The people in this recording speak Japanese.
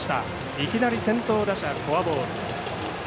いきなり先頭打者フォアボール。